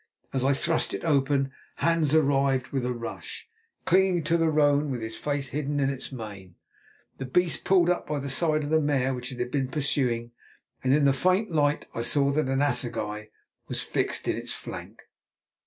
As I thrust it open Hans arrived with a rush, clinging to the roan with his face hidden in its mane. The beast pulled up by the side of the mare which it had been pursuing, and in the faint light I saw that an assegai was fixed in its flank.